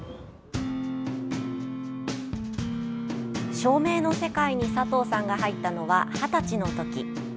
照明の世界に佐藤さんが入ったのは二十歳のとき。